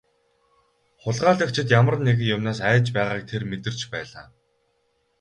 Хулгайлагчид ямар нэгэн юмнаас айж байгааг тэр мэдэрч байлаа.